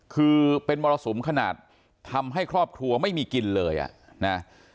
คือเป็นมรสุมขนาดทำให้ครอบครัวไม่มีกินเลยอ่ะนะ